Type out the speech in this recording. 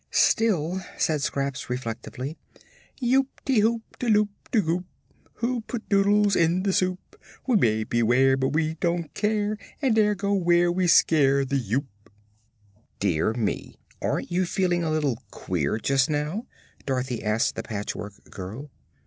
"Still," said Scraps, reflectively: "Yoop te hoop te loop te goop! Who put noodles in the soup? We may beware but we don't care, And dare go where we scare the Yoop." "Dear me! Aren't you feeling a little queer, just now?" Dorothy asked the Patchwork Girl.